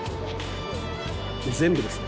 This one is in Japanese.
全部ですね